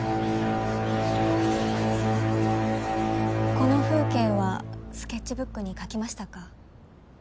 この風景はスケッチブックに描きましたか？